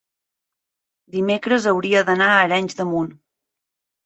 dimecres hauria d'anar a Arenys de Munt.